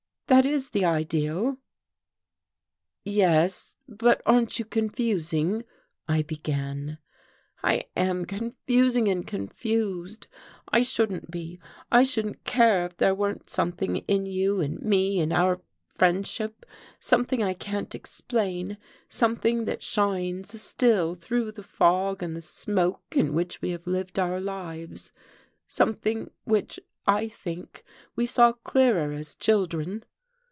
That is the ideal." "Yes but aren't you confusing ?" I began. "I am confusing and confused. I shouldn't be I shouldn't care if there weren't something in you, in me, in our friendship, something I can't explain, something that shines still through the fog and the smoke in which we have lived our lives something which, I think, we saw clearer as children.